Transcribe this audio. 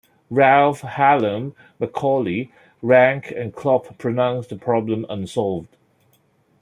Ralph, Hallam, Macaulay, Ranke, and Klopp pronounce the problem unsolved.